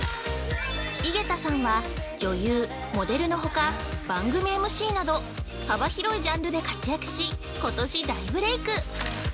井桁さんは、女優、モデルのほか番組ＭＣなど幅広いジャンルで活躍しことし大ブレイク。